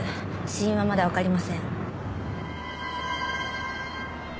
死因はまだ分かりません。